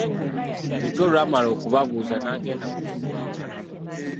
Bittu olwamala okubabuuza n'agenda mu kisenge.